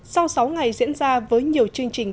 sau sáu ngày diễn ra với nhiều chương trình